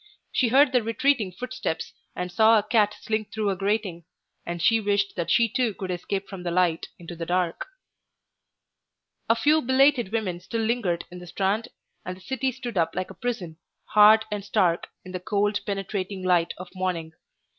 She heard the retreating footsteps, and saw a cat slink through a grating, and she wished that she too could escape from the light into the dark. A few belated women still lingered in the Strand, and the city stood up like a prison, hard and stark in the cold, penetrating light of morning.